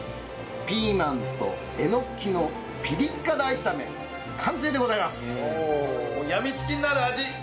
ピーマンとえのきのピリ辛炒め完成でございます！